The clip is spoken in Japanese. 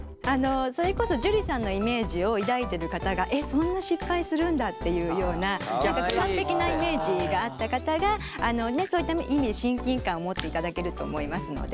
それこそ樹さんのイメージを抱いてる方がえっそんな失敗するんだっていうような完璧なイメージがあった方がそういった意味で親近感を持っていただけると思いますので。